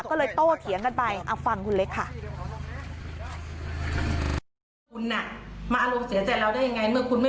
ก็เลยโตเถียงกันไปฟังคุณเล็กค่ะ